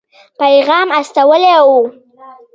پیغام استولی وو.